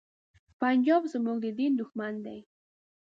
پنجاب زمونږ د دین دښمن دی.